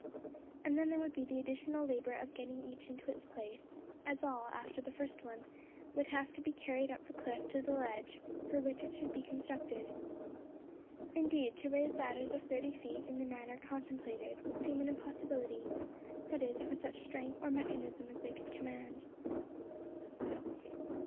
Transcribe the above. And then there would be the additional labour of getting each into its place: as all, after the first one, would have to be carried up the cliff to the ledge for which it should be constructed. Indeed, to raise ladders of thirty feet in the manner contemplated, would seem an impossibility that is, for such strength or mechanism as they could command.